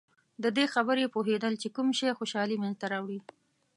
د دې خبرې پوهېدل چې کوم شی خوشحالي منځته راوړي.